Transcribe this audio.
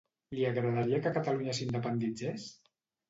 Li agradaria que Catalunya s'independitzés?